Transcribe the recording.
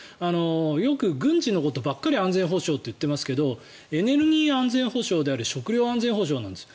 よく軍事のことばっかり安全保障といっていますがエネルギー安全保障であり食料安全保障なんです。